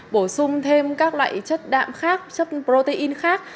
bổ sung thêm các loại chất đạm khác chất protein khác